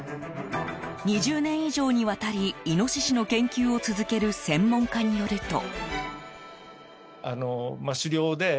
２０年以上にわたりイノシシの研究を続ける専門家によると。